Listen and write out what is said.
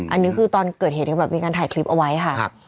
อันนี้คือตอนเกิดเหตุที่แบบมีการถ่ายคลิปเอาไว้ค่ะ